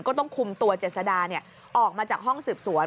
ก็ต้องคุมตัวเจษดาออกมาจากห้องสืบสวน